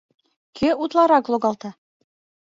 Кӧ утларак логалта?